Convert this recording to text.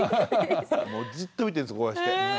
もうずっと見てるんですこうやって。